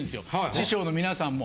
師匠の皆さんも。